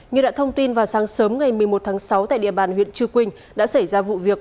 như đã thông tin vào sáng sớm ngày một mươi một tháng sáu tại địa bàn huyện chư quynh đã xảy ra vụ việc